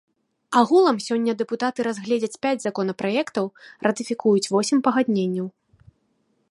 Агулам сёння дэпутаты разгледзяць пяць законапраектаў, ратыфікуюць восем пагадненняў.